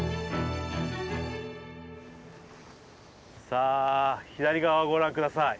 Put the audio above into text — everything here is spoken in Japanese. さあ左側をご覧下さい。